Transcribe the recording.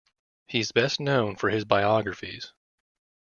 He is best known for his biographies.